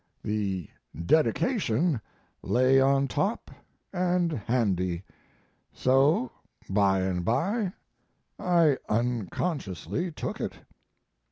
The dedication lay on top and handy, so by and by I unconsciously took it.